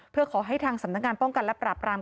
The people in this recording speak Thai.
เพื่อขอให้ทางสำนักงานป้องกันและปราบราม